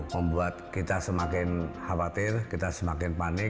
membuat kita semakin khawatir kita semakin panik